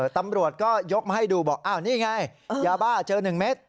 ตำรวจก็ยกมาให้ดูบอกอ้าวนี่ไงยาบ้าเจอ๑เม็ด